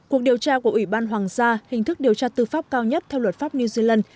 cuộc điều tra của ủy ban hoàng gia hình thức điều tra tư pháp cao nhất theo luật pháp new zealand